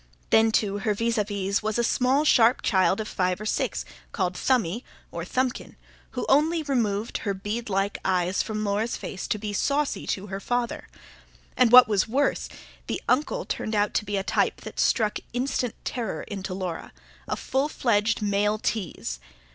Then, too, her vis a vis was a small sharp child of five or six, called Thumbby, or Thumbkin, who only removed her bead like eyes from Laura's face to be saucy to her father. And, what was worse, the Uncle turned out to be a type that struck instant terror into Laura: a full fledged male tease.